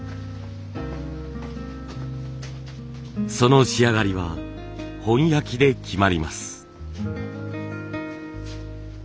その仕上がりは本焼きで決まります。